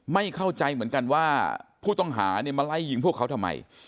ไม่เข้าใจเหมือนกันว่าผู้ต้องหาเนี่ยมาไล่ยิงพวกเขาทำไม